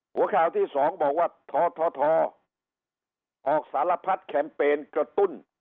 หัวข่าวที่สองบอกว่าท้อท้อท้อออกสารพัฒน์แคมเปญกระตุ้น